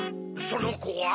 そのコは？